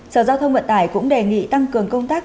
sở giao thông vận tải cũng đề nghị tăng cường công tác